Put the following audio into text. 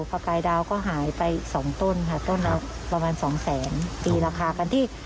ประกายดาวก็หายไปสองต้นค่ะต้นละประมาณสองแสนตีราคากันที่